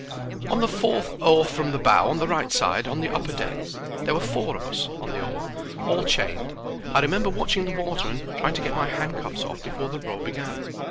"On the fourth oar from the bow on the right side on the upper deck. There were four of us at the oar, all chained. I remember watching the water and trying to get my handcuffs off before the row began.